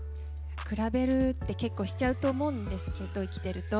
比べるって結構、しちゃうと思うんですけど生きてると。